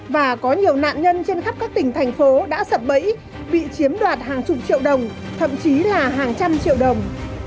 và có nhiều nạn nhân trên khắp các tỉnh thành phố đã sập bẫy bị chiếm đoạt hàng chục triệu đồng thậm chí là hàng trăm triệu đồng